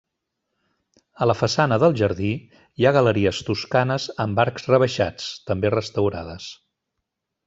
A la façana del jardí hi ha galeries toscanes amb arcs rebaixats, també restaurades.